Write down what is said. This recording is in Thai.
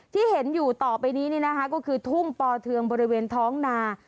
ที่เห็นอยู่ต่อไปนี้นะคะก็คือทุ่งปอเทืองบริเวณท้องนา